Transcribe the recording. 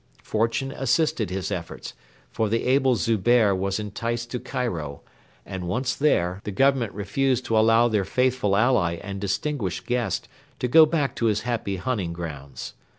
Fortune assisted his efforts, for the able Zubehr was enticed to Cairo, and, once there, the Government refused to allow their faithful ally and distinguished guest to go back to his happy hunting grounds.